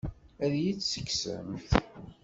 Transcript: Ad iyi-tt-tekksemt?